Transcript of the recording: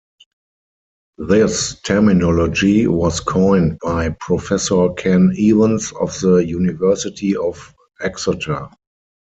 This terminology was coined by Professor Ken Evans of the University of Exeter.